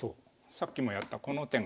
さっきもやったこの手が。